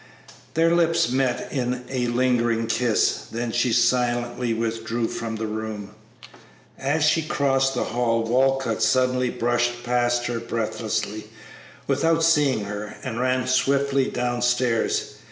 Their lips met in a lingering kiss, then she silently withdrew from the room. As she crossed the hall Walcott suddenly brushed past her breathlessly, without seeing her, and ran swiftly downstairs.